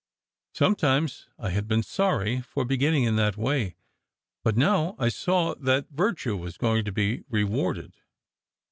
Sometimes I had been sorry for beginning in that way, but now I saw that virtue was going to be re warded.